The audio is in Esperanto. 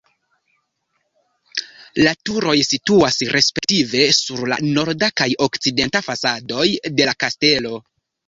La turoj situas respektive sur la norda kaj okcidenta fasadoj de la kastelo.